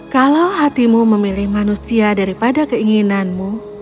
kalau hatimu memilih manusia daripada keinginanmu